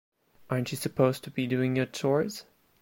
Aren't you supposed to be doing your chores?